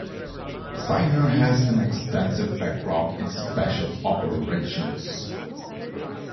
Stiner has an extensive background in special operations.